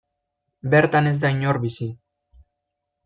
Bertan ez da inor bizi.